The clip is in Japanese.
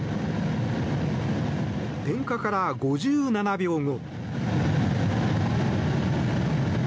点火から５７秒後。